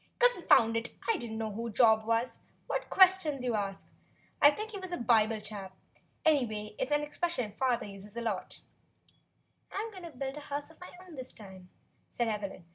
"Confound it! I don't know who Job was. What questions you do ask! I think he was a Bible chap. Anyway, it's an expression father uses a lot." "I'm going to build a house of my own this time," said Evelyn.